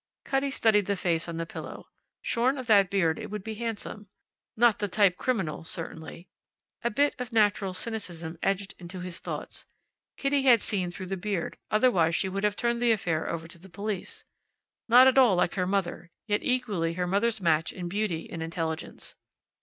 Cutty studied the face on the pillow. Shorn of that beard it would be handsome; not the type criminal, certainly. A bit of natural cynicism edged into his thoughts: Kitty had seen through the beard, otherwise she would have turned the affair over to the police. Not at all like her mother, yet equally her mother's match in beauty and intelligence.